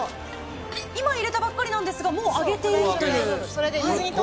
今、入れたばかりなんですがもう上げていいという。